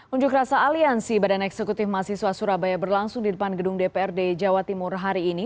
unjuk rasa aliansi badan eksekutif mahasiswa surabaya berlangsung di depan gedung dprd jawa timur hari ini